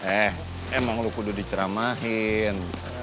eh emang lo kudo diceramahin